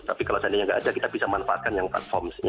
tapi kalau seandainya tidak ada kita bisa manfaatkan yang platform